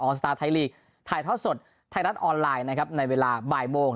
สตาร์ไทยลีกถ่ายทอดสดไทยรัฐออนไลน์นะครับในเวลาบ่ายโมง